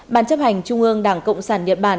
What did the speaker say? ban chấp hành trung ương đảng cộng sản nhật bản